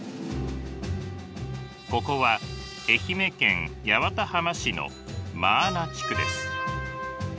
ここは愛媛県八幡浜市の真穴地区です。